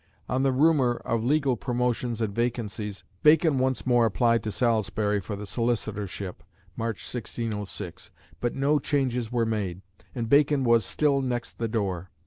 On the rumour of legal promotions and vacancies Bacon once more applied to Salisbury for the Solicitorship (March, 1606). But no changes were made, and Bacon was "still next the door."